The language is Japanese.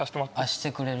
してくれる？